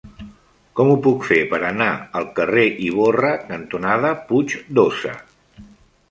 Com ho puc fer per anar al carrer Ivorra cantonada Puig d'Óssa?